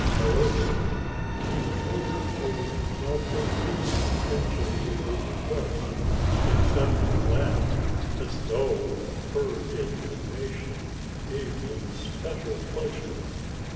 However, the intruder paid not the least attention to her request, except to laugh as though her indignation gave him special pleasure.